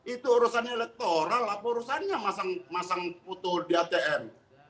itu urusan elektoral apa urusannya masang foto di atm